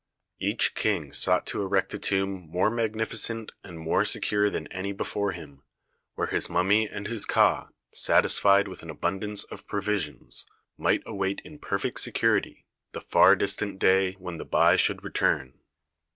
Each king sought to erect a tomb more magnificent and more secure than any before him, where his mummy and his ka, satisfied with an abundance of provisions, might await in per fect security the far distant day when the bai THE SEVEN WONDERS should return.